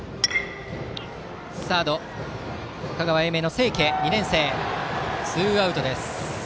サード、香川・英明の清家２年生がとってツーアウトです。